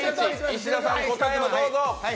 石田さん答えをどうぞ。